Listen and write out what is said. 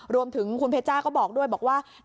รวมถึงคุณเพชจ้าก็บอกด้วยบอกว่า